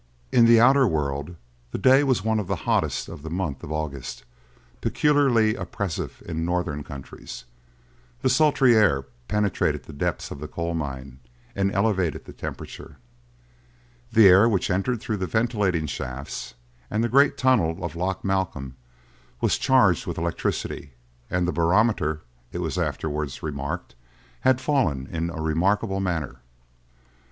In the outer world, the day was one of the hottest of the month of August, peculiarly oppressive in northern countries. The sultry air penetrated the depths of the coal mine, and elevated the temperature. The air which entered through the ventilating shafts, and the great tunnel of Loch Malcolm, was charged with electricity, and the barometer, it was afterwards remarked, had fallen in a remarkable manner.